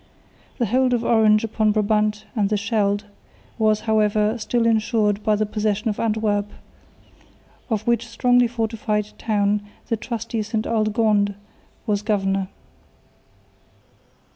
The hold of Orange upon Brabant and the Scheldt was, however, still ensured by the possession of Antwerp, of which strongly fortified town the trusty Ste Aldegonde was governor.